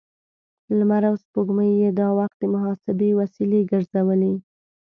لمر او سپوږمۍ يې د وخت د محاسبې وسیلې ګرځولې.